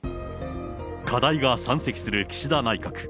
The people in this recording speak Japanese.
課題が山積する岸田内閣。